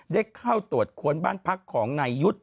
ได้เข้าตรวจค้นบ้านพักของนายยุทธ์